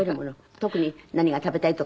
特に何が食べたいとか。